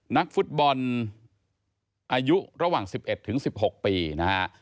นักฟุตบอลอายุระหว่าง๑๑ถึง๑๖ปีนะฮะ